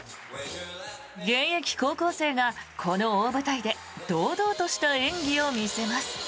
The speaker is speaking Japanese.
現役高校生がこの大舞台で堂々とした演技を見せます。